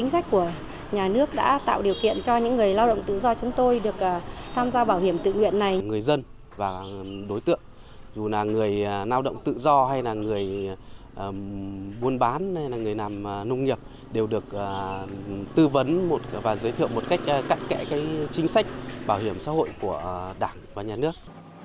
nào động tự do hay là người buôn bán hay là người nằm nông nghiệp đều được tư vấn và giới thiệu một cách cạnh kẽ chính sách bảo hiểm xã hội của đảng và nhà nước